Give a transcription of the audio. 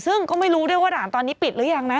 ซึ่งก็ไม่รู้ด้วยว่าด่านตอนนี้ปิดหรือยังนะ